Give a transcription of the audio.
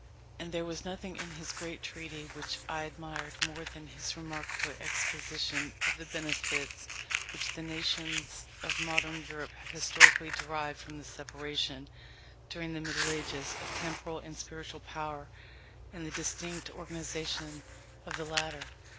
And there was nothing in his great Treatise which I admired more than his remarkable exposition of the benefits which the nations of modern Europe have historically derived from the separation, during the Middle Ages, of temporal and spiritual power, and the distinct organization of the latter.